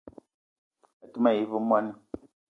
A te ma yi ve mwoani